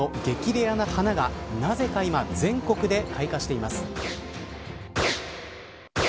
レアな花がなぜか今全国で開花しています。